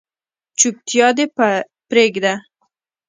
چوپتیا دې پریږده